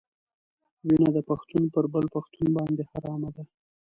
وینه د پښتون پر بل پښتون باندې حرامه ده.